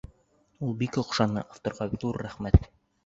Ул бик оҡшаны — авторға ҙур рәхмәт!